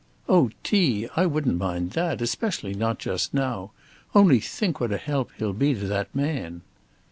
"Oh, T., I wouldn't mind that; especially not just now. Only think what a help he'll be to that man!"